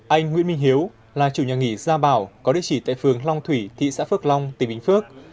anh nguyễn minh hiếu là chủ nhà nghỉ gia bảo có địa chỉ tại phường long thủy thị xã phước long tỉnh bình phước